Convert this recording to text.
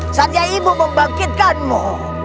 saatnya ibu membangkitkanmu